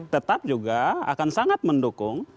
tetap juga akan sangat mendukung